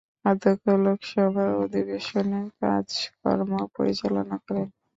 অধ্যক্ষ লোকসভার অধিবেশনের কাজকর্ম পরিচালনা করেন।